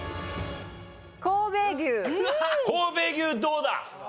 神戸牛どうだ？